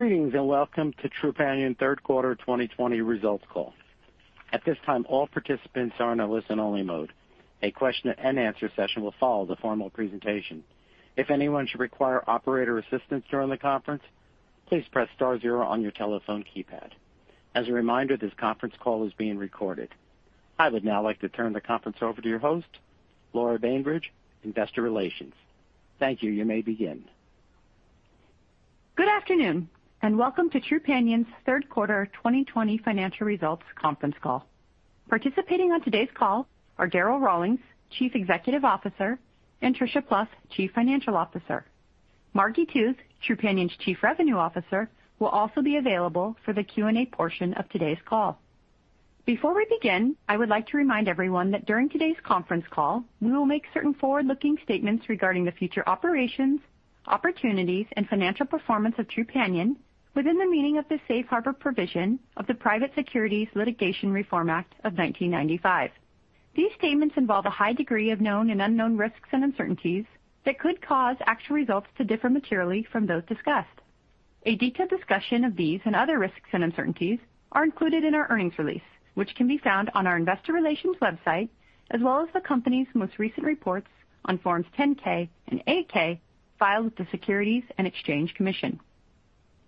Greetings and welcome to Trupanion Third Quarter 2020 Results Call. At this time, all participants are in a listen-only mode. A question-and-answer session will follow the formal presentation. If anyone should require operator assistance during the conference, please press star zero on your telephone keypad. As a reminder, this conference call is being recorded. I would now like to turn the conference over to your host, Laura Bainbridge, Investor Relations. Thank you. You may begin. Good afternoon and welcome to Trupanion's Third Quarter 2020 financial results conference call. Participating on today's call are Darryl Rawlings, Chief Executive Officer, and Tricia Plouf, Chief Financial Officer. Margi Tooth, Trupanion's Chief Revenue Officer, will also be available for the Q&A portion of today's call. Before we begin, I would like to remind everyone that during today's conference call, we will make certain forward-looking statements regarding the future operations, opportunities, and financial performance of Trupanion within the meaning of the Safe Harbor provision of the Private Securities Litigation Reform Act of 1995. These statements involve a high degree of known and unknown risks and uncertainties that could cause actual results to differ materially from those discussed. A detailed discussion of these and other risks and uncertainties are included in our earnings release, which can be found on our Investor Relations website as well as the company's most recent reports on Forms 10-K and 8-K filed with the Securities and Exchange Commission.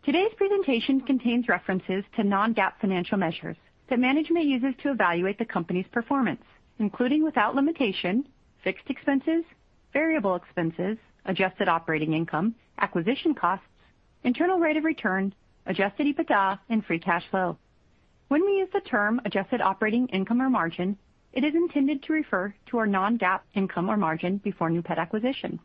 Today's presentation contains references to non-GAAP financial measures that management uses to evaluate the company's performance, including without limitation, fixed expenses, variable expenses, adjusted operating income, acquisition costs, internal rate of return, adjusted EBITDA, and free cash flow. When we use the term adjusted operating income or margin, it is intended to refer to our non-GAAP income or margin before new pet acquisition.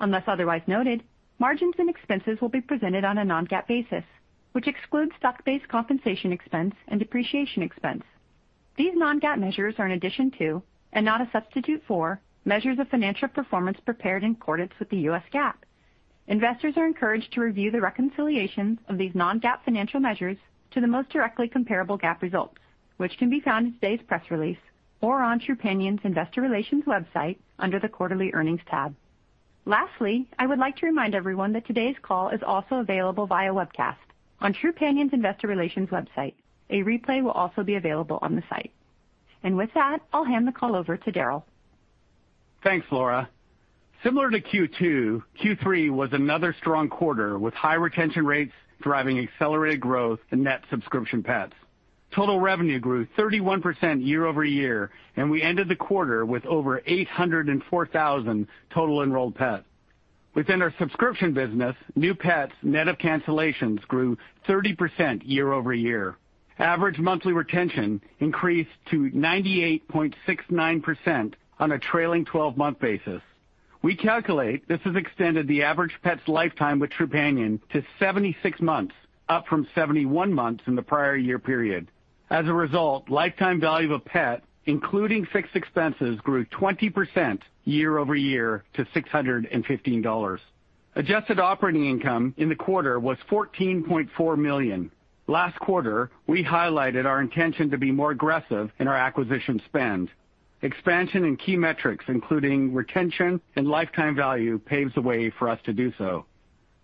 Unless otherwise noted, margins and expenses will be presented on a non-GAAP basis, which excludes stock-based compensation expense and depreciation expense. These non-GAAP measures are an addition to, and not a substitute for, measures of financial performance prepared in accordance with the U.S. GAAP. Investors are encouraged to review the reconciliation of these non-GAAP financial measures to the most directly comparable GAAP results, which can be found in today's press release or on Trupanion's Investor Relations website under the quarterly earnings tab. Lastly, I would like to remind everyone that today's call is also available via webcast on Trupanion's Investor Relations website. A replay will also be available on the site, and with that, I'll hand the call over to Darryl. Thanks, Laura. Similar to Q2, Q3 was another strong quarter with high retention rates driving accelerated growth and net subscription pets. Total revenue grew 31% year-over-year, and we ended the quarter with over 804,000 total enrolled pets. Within our subscription business, new pets net of cancellations grew 30% year-over-year. Average monthly retention increased to 98.69% on a trailing 12-month basis. We calculate this has extended the average pet's lifetime with Trupanion to 76 months, up from 71 months in the prior year period. As a result, lifetime value of a pet, including fixed expenses, grew 20% year-over-year to $615. Adjusted operating income in the quarter was $14.4 million. Last quarter, we highlighted our intention to be more aggressive in our acquisition spend. Expansion and key metrics, including retention and lifetime value, paved the way for us to do so.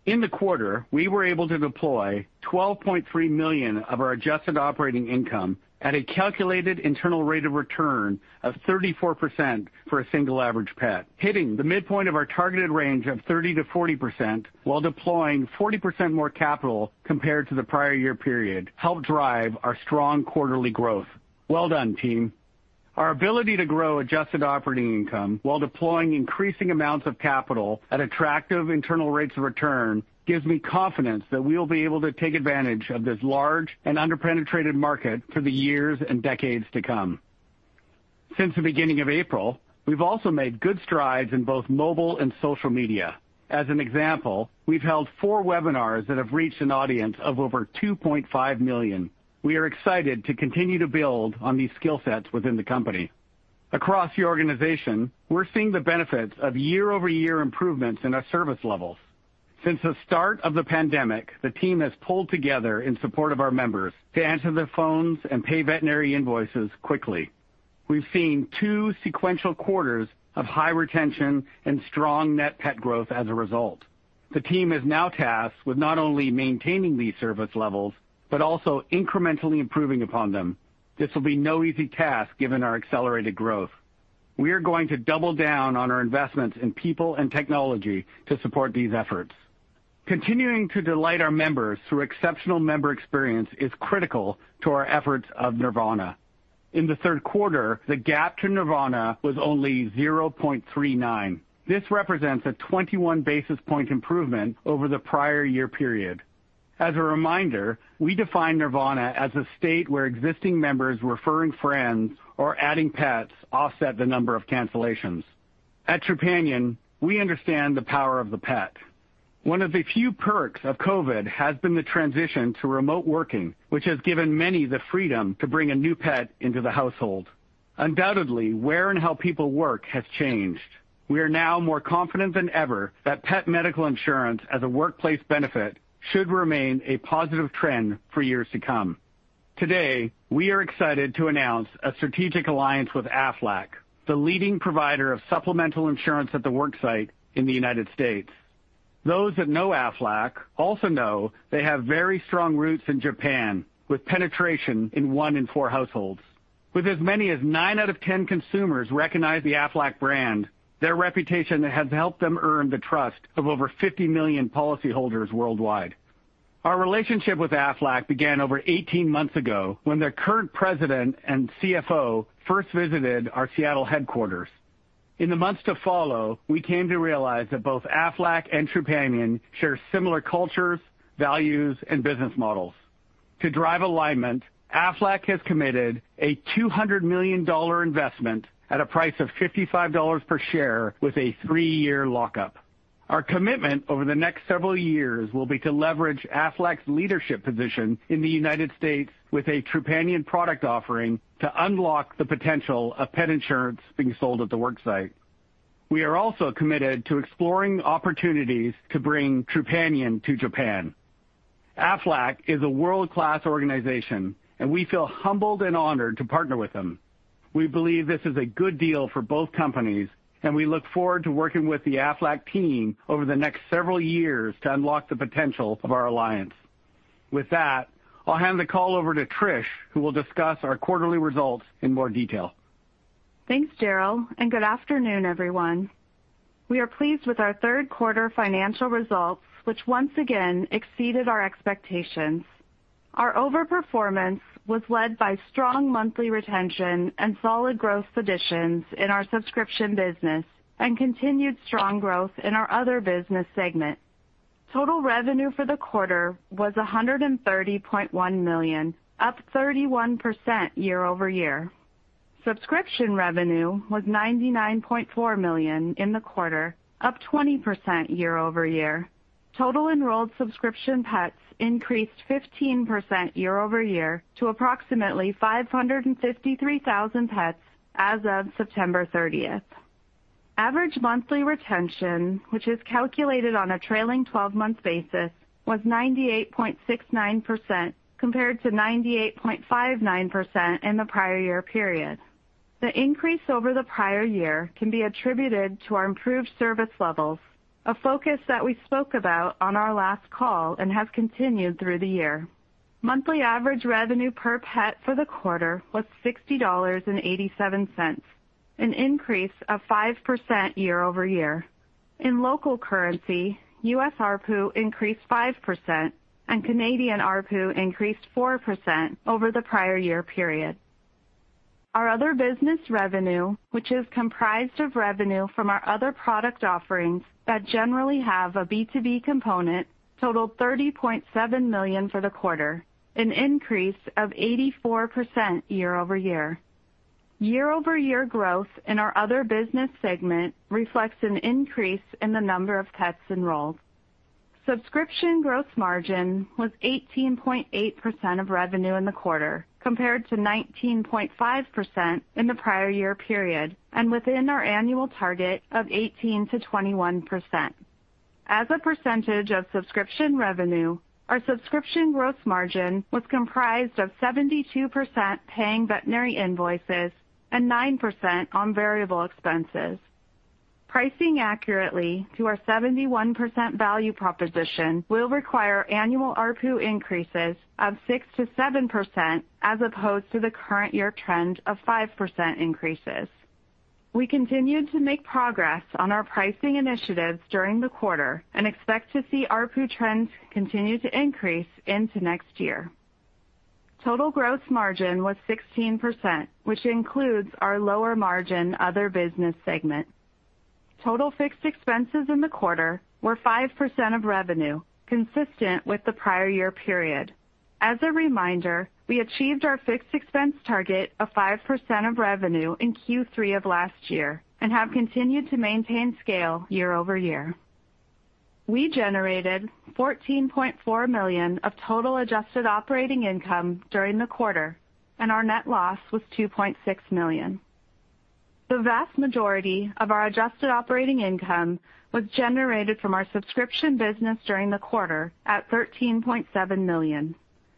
In the quarter, we were able to deploy $12.3 million of our adjusted operating income at a calculated internal rate of return of 34% for a single average pet. Hitting the midpoint of our targeted range of 30%-40% while deploying 40% more capital compared to the prior year period helped drive our strong quarterly growth. Well done, team. Our ability to grow adjusted operating income while deploying increasing amounts of capital at attractive internal rates of return gives me confidence that we will be able to take advantage of this large and under-penetrated market for the years and decades to come. Since the beginning of April, we've also made good strides in both mobile and social media. As an example, we've held four webinars that have reached an audience of over 2.5 million. We are excited to continue to build on these skill-sets within the Company. Across the organization, we're seeing the benefits of year-over-year improvements in our service levels. Since the start of the pandemic, the team has pulled together in support of our members to answer the phones and pay veterinary invoices quickly. We've seen two sequential quarters of high retention and strong net pet growth as a result. The team is now tasked with not only maintaining these service levels, but also incrementally improving upon them. This will be no easy task given our accelerated growth. We are going to double down on our investments in people and technology to support these efforts. Continuing to delight our members through exceptional member experience is critical to our efforts of Nirvana. In the third quarter, the GAAP to Nirvana was only 0.39. This represents a 21 basis point improvement over the prior year period. As a reminder, we define Nirvana as a state where existing members, referring friends, or adding pets offset the number of cancellations. At Trupanion, we understand the power of the pet. One of the few perks of COVID has been the transition to remote working, which has given many the freedom to bring a new pet into the household. Undoubtedly, where and how people work has changed. We are now more confident than ever that pet medical insurance as a workplace benefit should remain a positive trend for years to come. Today, we are excited to announce a strategic alliance with Aflac, the leading provider of supplemental insurance at the worksite in the United States. Those that know Aflac also know they have very strong roots in Japan, with penetration in one in four households. With as many as 9 out of 10 consumers recognize the Aflac brand, their reputation has helped them earn the trust of over 50 million policyholders worldwide. Our relationship with Aflac began over 18 months ago when their current president and CFO first visited our Seattle headquarters. In the months to follow, we came to realize that both Aflac and Trupanion share similar cultures, values, and business models. To drive alignment, Aflac has committed a $200 million investment at a price of $55 per share with a three-year lockup. Our commitment over the next several years will be to leverage Aflac's leadership position in the United States with a Trupanion product offering to unlock the potential of pet insurance being sold at the worksite. We are also committed to exploring opportunities to bring Trupanion to Japan. Aflac is a world-class organization, and we feel humbled and honored to partner with them. We believe this is a good deal for both companies, and we look forward to working with the Aflac team over the next several years to unlock the potential of our alliance. With that, I'll hand the call over to Trish, who will discuss our quarterly results in more detail. Thanks, Darryl, and good afternoon, everyone. We are pleased with our third quarter financial results, which once again exceeded our expectations. Our overperformance was led by strong monthly retention and solid gross additions in our subscription business and continued strong growth in our other business segment. Total revenue for the quarter was $130.1 million, up 31% year-over-year. Subscription revenue was $99.4 million in the quarter, up 20% year-over-year. Total enrolled subscription pets increased 15% year-over-year to approximately 553,000 pets as of September 30th. Average monthly retention, which is calculated on a trailing 12-month basis, was 98.69% compared to 98.59% in the prior year period. The increase over the prior year can be attributed to our improved service levels, a focus that we spoke about on our last call and has continued through the year. Monthly average revenue per pet for the quarter was $60.87, an increase of 5% year-over-year. In local currency, U.S. ARPU increased 5% and Canadian ARPU increased 4% over the prior year period. Our other business revenue, which is comprised of revenue from our other product offerings that generally have a B2B component, totaled $30.7 million for the quarter, an increase of 84% year-over-year. Year-over-year growth in our other business segment reflects an increase in the number of pets enrolled. Subscription gross margin was 18.8% of revenue in the quarter, compared to 19.5% in the prior year period and within our annual target of 18%-21%. As a percentage of subscription revenue, our subscription gross margin was comprised of 72% paying veterinary invoices and 9% on variable expenses. Pricing accurately to our 71% value proposition will require annual ARPU increases of 6%-7% as opposed to the current year trend of 5% increases. We continued to make progress on our pricing initiatives during the quarter and expect to see ARPU trends continue to increase into next year. Total gross margin was 16%, which includes our lower margin other business segment. Total fixed expenses in the quarter were 5% of revenue, consistent with the prior year period. As a reminder, we achieved our fixed expense target of 5% of revenue in Q3 of last year and have continued to maintain scale year-over-year. We generated $14.4 million of total adjusted operating income during the quarter, and our net loss was $2.6 million. The vast majority of our adjusted operating income was generated from our subscription business during the quarter at $13.7 million.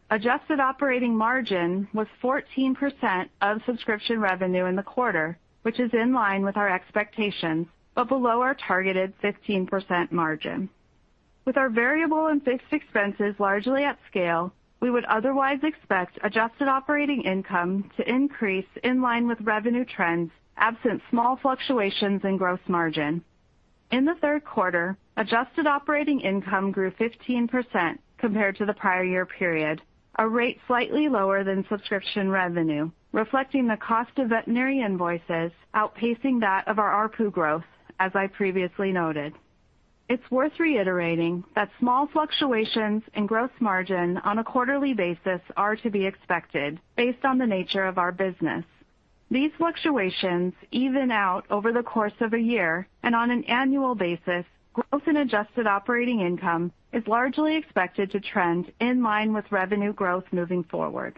Adjusted operating margin was 14% of subscription revenue in the quarter, which is in line with our expectations but below our targeted 15% margin. With our variable and fixed expenses largely at scale, we would otherwise expect adjusted operating income to increase in line with revenue trends absent small fluctuations in gross margin. In the third quarter, adjusted operating income grew 15% compared to the prior year period, a rate slightly lower than subscription revenue, reflecting the cost of veterinary invoices outpacing that of our ARPU growth, as I previously noted. It's worth reiterating that small fluctuations in gross margin on a quarterly basis are to be expected based on the nature of our business. These fluctuations even out over the course of a year, and on an annual basis, gross and adjusted operating income is largely expected to trend in line with revenue growth moving forward.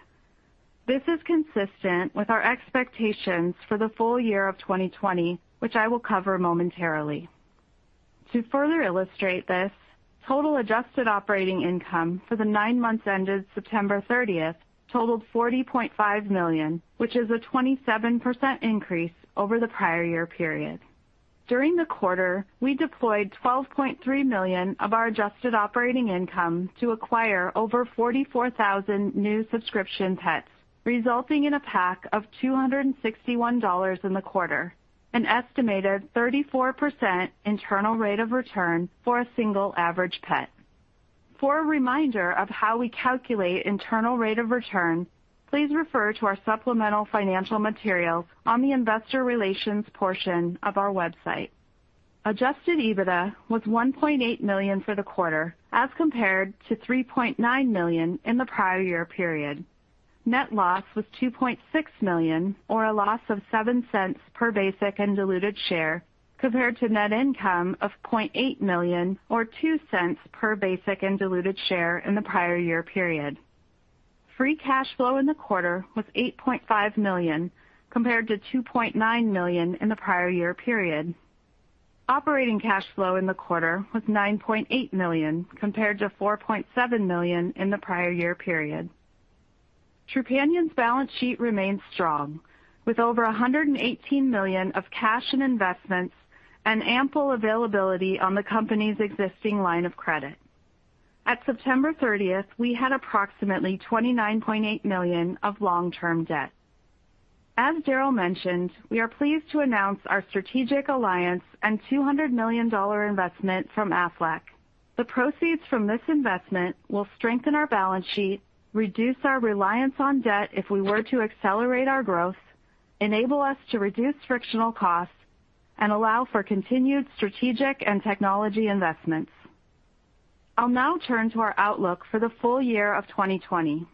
This is consistent with our expectations for the full year of 2020, which I will cover momentarily. To further illustrate this, total adjusted operating income for the nine months ended September 30th totaled $40.5 million, which is a 27% increase over the prior year period. During the quarter, we deployed $12.3 million of our adjusted operating income to acquire over 44,000 new subscription pets, resulting in a PAC of $261 in the quarter, an estimated 34% internal rate of return for a single average pet. For a reminder of how we calculate internal rate of return, please refer to our supplemental financial materials on the Investor Relations portion of our website. Adjusted EBITDA was $1.8 million for the quarter, as compared to $3.9 million in the prior year period. Net loss was $2.6 million, or a loss of $0.07 per basic and diluted share, compared to net income of $0.8 million, or $0.02 per basic and diluted share in the prior year period. Free cash flow in the quarter was $8.5 million, compared to $2.9 million in the prior year period. Operating cash flow in the quarter was $9.8 million, compared to $4.7 million in the prior year period. Trupanion's balance sheet remains strong, with over $118 million of cash and investments and ample availability on the company's existing line of credit. At September 30th, we had approximately $29.8 million of long-term debt. As Darryl mentioned, we are pleased to announce our strategic alliance and $200 million investment from Aflac. The proceeds from this investment will strengthen our balance sheet, reduce our reliance on debt if we were to accelerate our growth, enable us to reduce frictional costs, and allow for continued strategic and technology investments. I'll now turn to our outlook for the full year of 2020.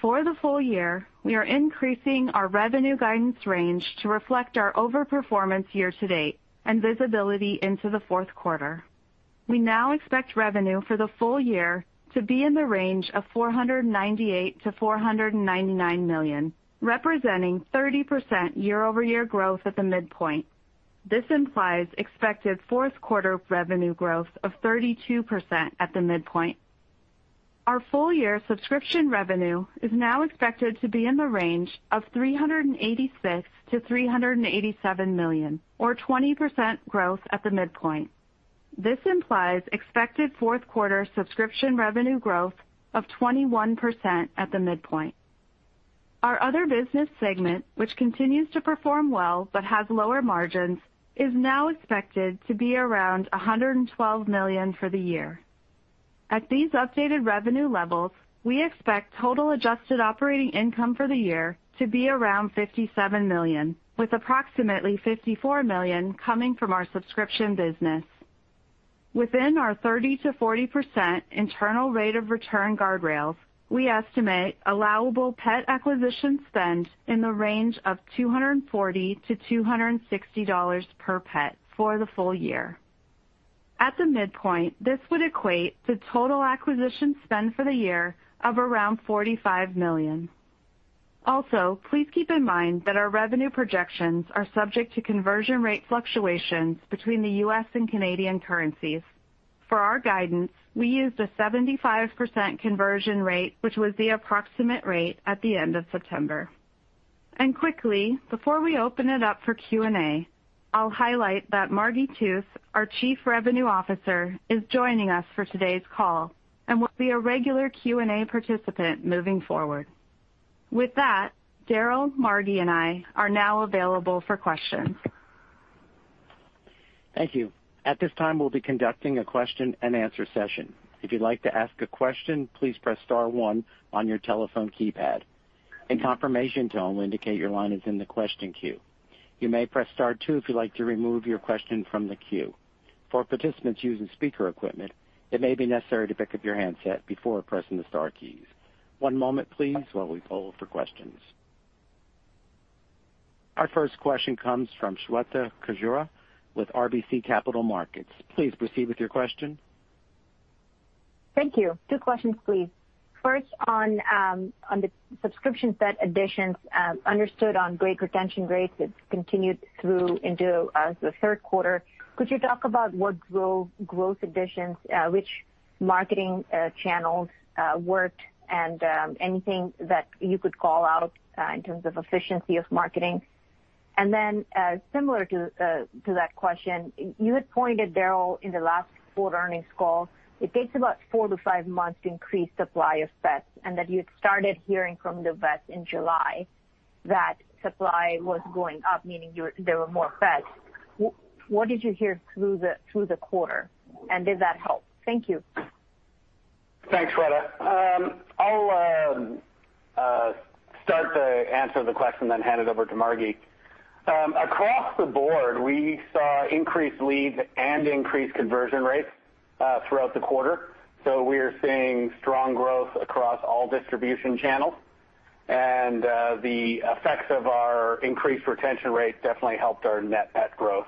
For the full year, we are increasing our revenue guidance range to reflect our overperformance year-to-date and visibility into the fourth quarter. We now expect revenue for the full year to be in the range of $498 million-$499 million, representing 30% year-over-year growth at the midpoint. This implies expected fourth quarter revenue growth of 32% at the midpoint. Our full-year subscription revenue is now expected to be in the range of $386 million-$387 million, or 20% growth at the midpoint. This implies expected fourth quarter subscription revenue growth of 21% at the midpoint. Our other business segment, which continues to perform well but has lower margins, is now expected to be around $112 million for the year. At these updated revenue levels, we expect total adjusted operating income for the year to be around $57 million, with approximately $54 million coming from our subscription business. Within our 30%-40% internal rate of return guardrails, we estimate allowable pet acquisition spend in the range of $240-$260 per pet for the full year. At the midpoint, this would equate to total acquisition spend for the year of around $45 million. Also, please keep in mind that our revenue projections are subject to conversion rate fluctuations between the US and Canadian currencies. For our guidance, we used a 75% conversion rate, which was the approximate rate at the end of September. And quickly, before we open it up for Q&A, I'll highlight that Margi Tooth, our Chief Revenue Officer, is joining us for today's call and will be a regular Q&A participant moving forward. With that, Darryl, Margi, and I are now available for questions. Thank you. At this time, we'll be conducting a question-and-answer session. If you'd like to ask a question, please press star one on your telephone keypad. A confirmation tone will indicate your line is in the question queue. You may press star two if you'd like to remove your question from the queue. For participants using speaker equipment, it may be necessary to pick up your handset before pressing the star keys. One moment, please, while we poll for questions. Our first question comes from Shweta Khajuria with RBC Capital Markets. Please proceed with your question. Thank you. Two questions, please. First, on the subscription pet additions, understood on great retention rates that continued through into the third quarter, could you talk about what growth additions, which marketing channels worked, and anything that you could call out in terms of efficiency of marketing? And then, similar to that question, you had pointed, Darryl, in the last full earnings call, it takes about four to five months to increase supply of pets, and that you had started hearing from the vet in July that supply was going up, meaning there were more pets. What did you hear through the quarter, and did that help? Thank you. Thanks, Shweta. I'll start to answer the question, then hand it over to Margi. Across the board, we saw increased leads and increased conversion rates throughout the quarter. So we are seeing strong growth across all distribution channels, and the effects of our increased retention rate definitely helped our net pet growth.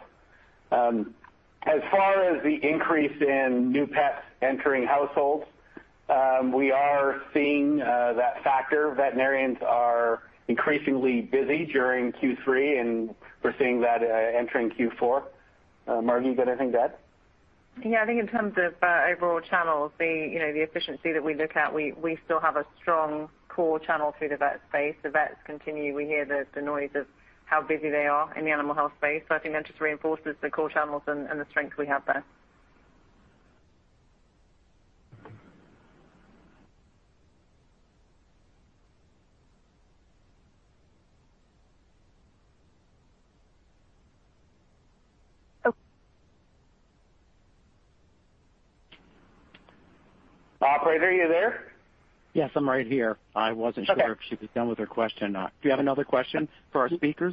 As far as the increase in new pets entering households, we are seeing that factor. Veterinarians are increasingly busy during Q3, and we're seeing that entering Q4. Margi, you've got anything to add? Yeah, I think in terms of overall channels, the efficiency that we look at, we still have a strong core channel through the vet space. The vets continue, we hear the noise of how busy they are in the animal health space. So I think that just reinforces the core channels and the strength we have there. Operator, are you there? Yes, I'm right here. I wasn't sure if she was done with her question or not. Do you have another question for our speakers?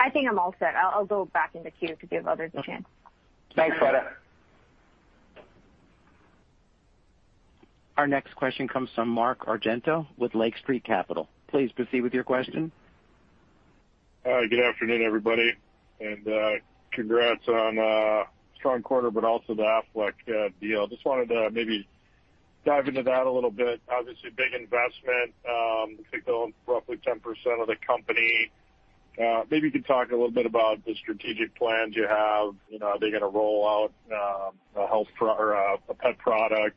I think I'm all set. I'll go back in the queue to give others a chance. Thanks, Shweta. Our next question comes from Mark Argento with Lake Street Capital. Please proceed with your question. Good afternoon, everybody, and congrats on a strong quarter, but also the Aflac deal. I just wanted to maybe dive into that a little bit. Obviously, big investment, looks like they own roughly 10% of the company. Maybe you can talk a little bit about the strategic plans you have. Are they going to roll out a pet product?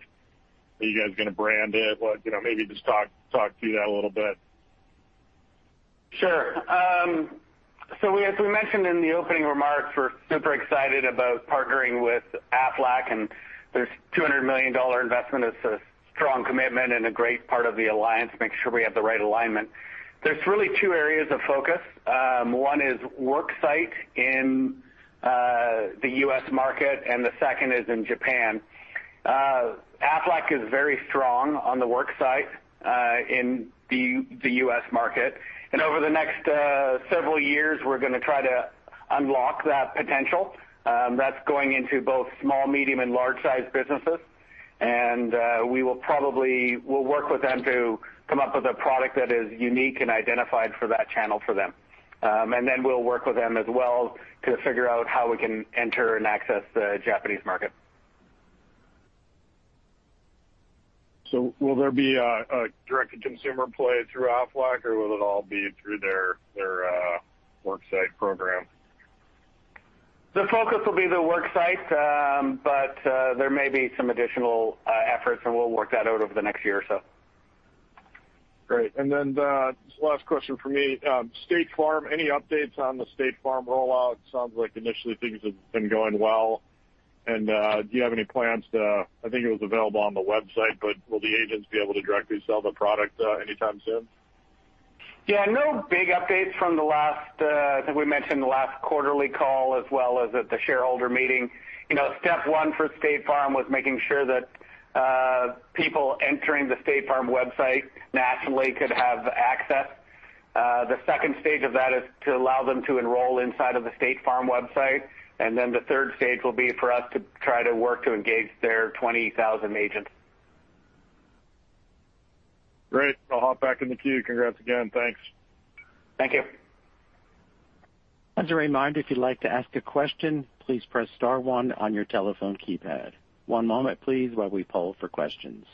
Are you guys going to brand it? Maybe just talk through that a little bit. Sure. As we mentioned in the opening remarks, we're super excited about partnering with Aflac, and there's a $200 million investment. It's a strong commitment and a great part of the alliance, making sure we have the right alignment. There's really two areas of focus. One is worksite in the U.S. market, and the second is in Japan. Aflac is very strong on the worksite in the U.S. market, and over the next several years, we're going to try to unlock that potential. That's going into both small, medium, and large-sized businesses, and we will probably work with them to come up with a product that is unique and identified for that channel for them, and then we'll work with them as well to figure out how we can enter and access the Japanese market. Will there be a direct-to-consumer play through Aflac, or will it all be through their worksite program? The focus will be the worksite, but there may be some additional efforts, and we'll work that out over the next year or so. Great. And then just the last question for me. State Farm, any updates on the State Farm rollout? Sounds like initially things have been going well. And do you have any plans to, I think it was available on the website, but will the agents be able to directly sell the product anytime soon? Yeah, no big updates from the last, I think we mentioned the last quarterly call as well as at the shareholder meeting. Step one for State Farm was making sure that people entering the State Farm website nationally could have access. The second stage of that is to allow them to enroll inside of the State Farm website, and then the third stage will be for us to try to work to engage their 20,000 agents. Great. I'll hop back in the queue. Congrats again. Thanks. Thank you. As a reminder, if you'd like to ask a question, please press star one on your telephone keypad. One moment, please, while we poll for questions.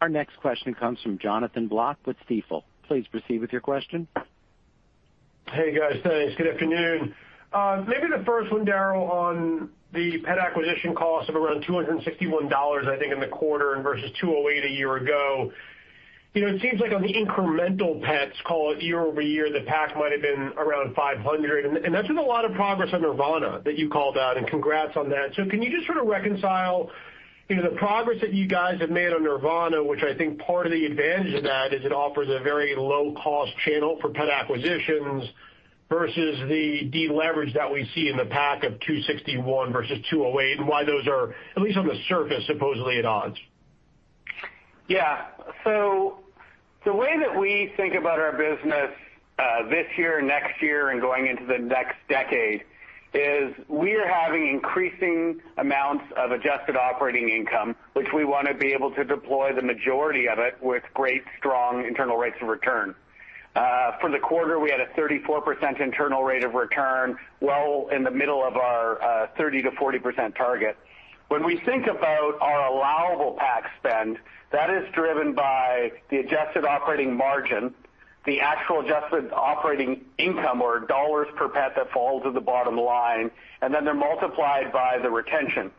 Our next question comes from Jonathan Block with Stifel. Please proceed with your question. Hey, guys. Thanks. Good afternoon. Maybe the first one, Darryl, on the pet acquisition cost of around $261, I think, in the quarter versus $208 a year ago. It seems like on the incremental pets, call it year-over-year, the PAC might have been around $500. And that's with a lot of progress on Nirvana that you called out, and congrats on that. So can you just sort of reconcile the progress that you guys have made on Nirvana, which I think part of the advantage of that is it offers a very low-cost channel for pet acquisitions versus the de-leverage that we see in the PAC of $261 versus $208, and why those are, at least on the surface, supposedly at odds? Yeah. So the way that we think about our business this year, next year, and going into the next decade is we are having increasing amounts of adjusted operating income, which we want to be able to deploy the majority of it with great, strong internal rates of return. For the quarter, we had a 34% internal rate of return, well in the middle of our 30%-40% target. When we think about our allowable PAC spend, that is driven by the adjusted operating margin, the actual adjusted operating income, or dollars per pet that falls to the bottom line, and then they're multiplied by the retention.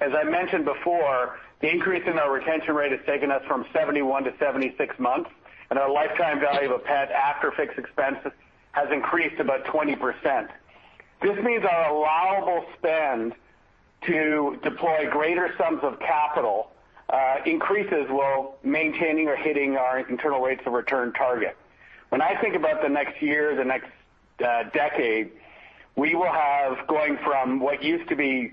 As I mentioned before, the increase in our retention rate has taken us from 71-76 months, and our lifetime value of a pet after fixed expenses has increased about 20%. This means our allowable spend to deploy greater sums of capital increases while maintaining or hitting our internal rates of return target. When I think about the next year, the next decade, we will have going from what used to be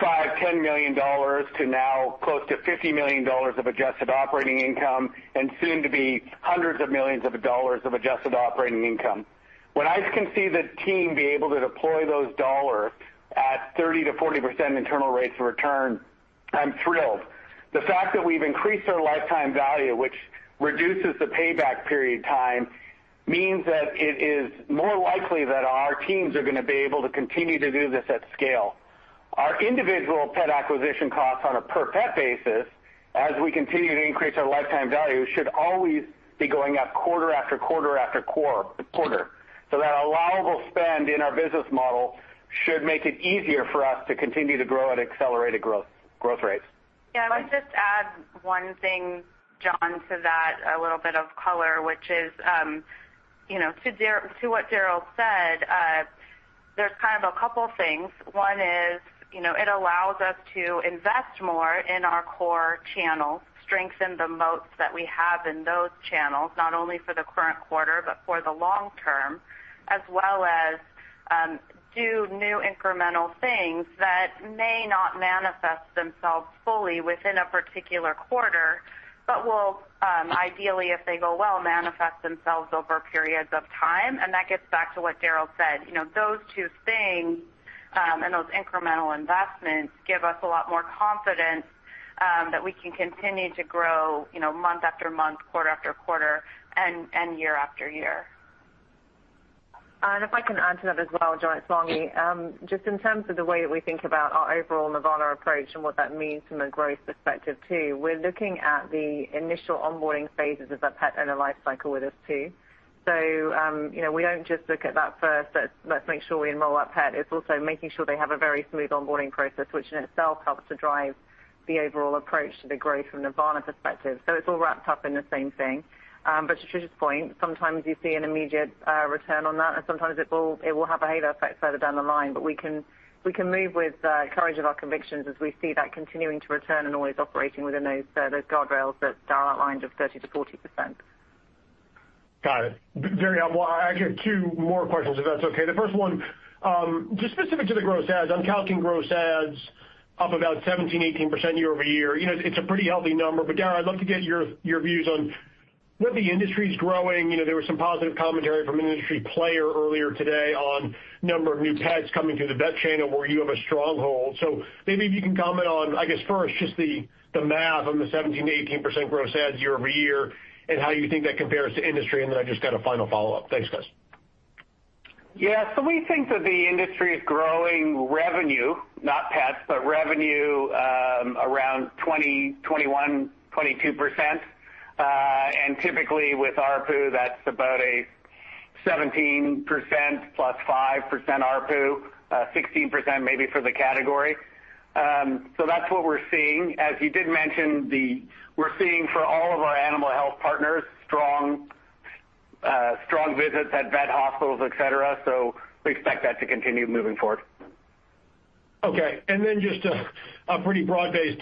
$5 million, $10 million to now close to $50 million of adjusted operating income, and soon to be hundreds of millions of dollars of adjusted operating income. When I can see the team be able to deploy those dollars at 30%-40% internal rates of return, I'm thrilled. The fact that we've increased our lifetime value, which reduces the payback period time, means that it is more likely that our teams are going to be able to continue to do this at scale. Our individual pet acquisition costs on a per-pet basis, as we continue to increase our lifetime value, should always be going up quarter after quarter after quarter. So that allowable spend in our business model should make it easier for us to continue to grow at accelerated growth rates. Yeah, I would just add one thing, Jon, to that, a little bit of color, which is to what Darryl said, there's kind of a couple of things. One is it allows us to invest more in our core channels, strengthen the moats that we have in those channels, not only for the current quarter but for the long term, as well as do new incremental things that may not manifest themselves fully within a particular quarter, but will, ideally, if they go well, manifest themselves over periods of time. And that gets back to what Darryl said. Those two things and those incremental investments give us a lot more confidence that we can continue to grow month after month, quarter-after-quarter, and year-after-year. If I can add to that as well, Jon, it's Margi. Just in terms of the way that we think about our overall Nirvana approach and what that means from a growth perspective too, we're looking at the initial onboarding phases of that pet and the life cycle with us too. So we don't just look at that first, let's make sure we enroll that pet. It's also making sure they have a very smooth onboarding process, which in itself helps to drive the overall approach to the growth from the Nirvana perspective. So it's all wrapped up in the same thing. But to Trish's point, sometimes you see an immediate return on that, and sometimes it will have a halo effect further down the line. But we can move with the courage of our convictions as we see that continuing to return and always operating within those guardrails that Darryl outlined of 30%-40%. Got it. Darryl, I have two more questions, if that's okay. The first one, just specific to the gross adds, I'm counting gross adds up about 17%-18% year-over-year. It's a pretty healthy number. But Darryl, I'd love to get your views on what the industry's growing. There was some positive commentary from an industry player earlier today on the number of new pets coming through the vet channel, where you have a stronghold. So maybe if you can comment on, I guess, first, just the math on the 17%-18% gross adds year-over-year, and how you think that compares to industry. And then I just got a final follow-up. Thanks, guys. Yeah. So we think that the industry is growing revenue, not pets, but revenue around 20%-22%. And typically, with ARPU, that's about a 17% plus 5% RPU, 16% maybe for the category. So that's what we're seeing. As you did mention, we're seeing for all of our animal health partners, strong visits at vet hospitals, etc. So we expect that to continue moving forward. Okay. And then just a pretty broad-based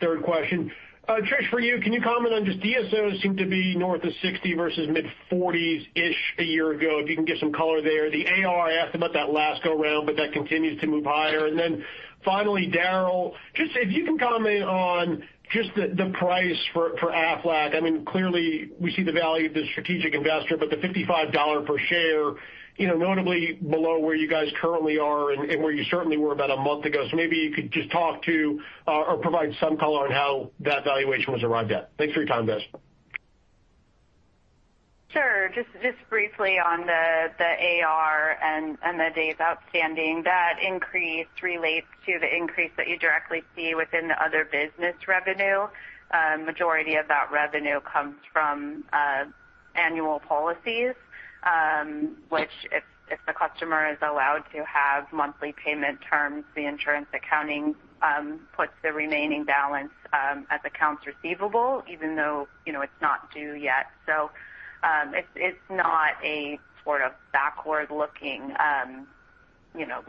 third question. Trish, for you, can you comment on just DSOs seem to be north of 60 versus mid-40s-ish a year ago, if you can get some color there? The AR, I asked about that last go-round, but that continues to move higher. And then finally, Darryl, just if you can comment on just the price for Aflac. I mean, clearly, we see the value of the strategic investor, but the $55 per share, notably below where you guys currently are and where you certainly were about a month ago. So maybe you could just talk to or provide some color on how that valuation was arrived at. Thanks for your time, guys. Sure. Just briefly on the AR and the days outstanding, that increase relates to the increase that you directly see within the other business revenue. The majority of that revenue comes from annual policies, which if the customer is allowed to have monthly payment terms, the insurance accounting puts the remaining balance as accounts receivable, even though it's not due yet. So it's not a sort of backward-looking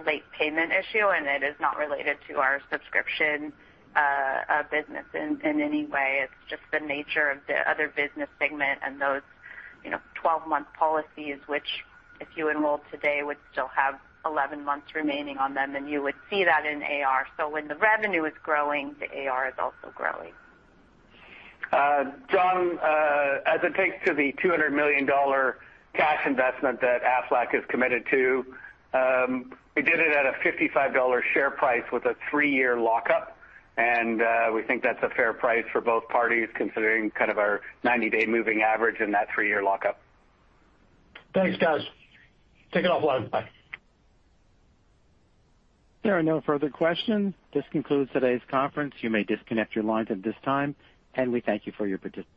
late payment issue, and it is not related to our subscription business in any way. It's just the nature of the other business segment and those 12-month policies, which if you enrolled today, would still have 11 months remaining on them, and you would see that in AR. So when the revenue is growing, the AR is also growing. Jon, as it relates to the $200 million cash investment that Aflac has committed to, we did it at a $55 share price with a three-year lockup. And we think that's a fair price for both parties, considering kind of our 90-day moving average and that three-year lockup. Thanks, guys. Take it offline. Bye. There are no further questions. This concludes today's conference. You may disconnect your lines at this time, and we thank you for your participation.